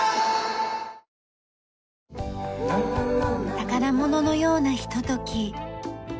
宝物のようなひととき。